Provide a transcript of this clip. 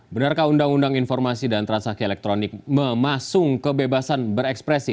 benarkah undang undang informasi dan transaksi elektronik memasung kebebasan berekspresi